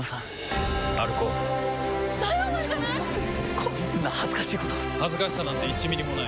こんな恥ずかしいこと恥ずかしさなんて１ミリもない。